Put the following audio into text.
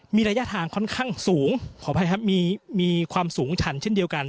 มีระยะทางค่อนข้างสูงขออภัยครับมีความสูงฉันเช่นเดียวกัน